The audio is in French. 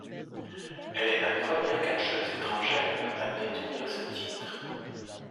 Elle est la première catcheuse étrangère à détenir ce titre.